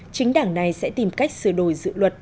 chính đảng này sẽ tìm cách sửa đổi dự luật